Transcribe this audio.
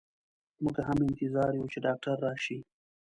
مو ږ هم انتظار يو چي ډاکټر راشئ.